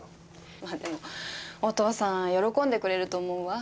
まあでもお父さん喜んでくれると思うわ。